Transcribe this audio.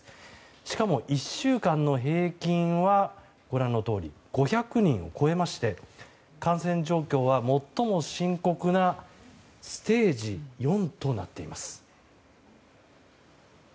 しかも１週間の平均はご覧のとおり５００人を超えまして感染状況は最も深刻なステージ４となっています。